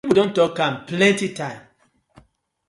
Pipu don tok am plenty time.